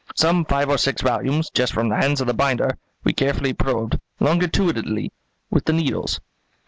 Some five or six volumes, just from the hands of the binder, we carefully probed, longitudinally, with the needles."